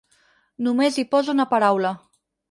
Només hi posa una paraula.